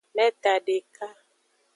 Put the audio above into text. Meta deka.